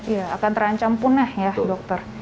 iya akan terancam punah ya dokter